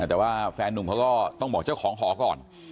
แต่ว่าแฟนนุ่มเขาก็ต้องบอกเจ้าของหอก่อน